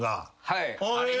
はい。